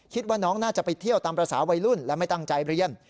คิดว่าน้องน่าจะไปเที่ยวตามภาษาวัยรุ่นและไม่ตั้งใจเรียน